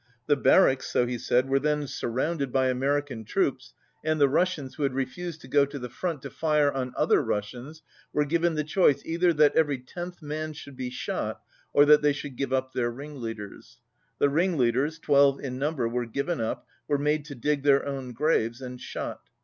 The barracks, so he said, were then surrounded by 22 American troops, and the Russians, who had re fused to go to the front to fire on other Russians, were given the choice, either that every tenth man should be shot, or that they should give, up their ringleaders. The ringleaders, twelve in number, were given up, were made to dig their own graves, and shot.